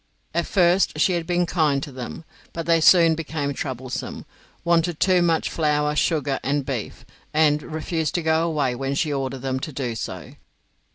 At first she had been kind to them, but they soon became troublesome, wanted too much flour, sugar, and beef, and refused to go away when she ordered them to do so.